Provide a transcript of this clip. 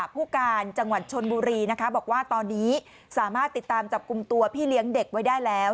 ผู้การจังหวัดชนบุรีนะคะบอกว่าตอนนี้สามารถติดตามจับกลุ่มตัวพี่เลี้ยงเด็กไว้ได้แล้ว